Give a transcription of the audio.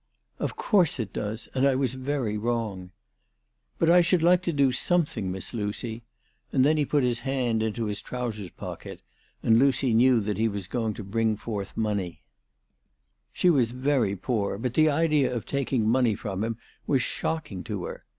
" Of course it does, and I was very wrong." "But I should like to do something, Miss Lucy."" And then he put his hand into his trousers pocket,, and Lucy knew that he was going to bring forth money. 296 THE TELEGRAPH GIRL. She was very poor ; but the idea of taking money from him was shocking to her.